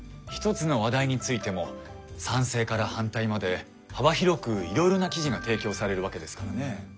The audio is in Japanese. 一つの話題についても賛成から反対まで幅広くいろいろな記事が提供されるわけですからね。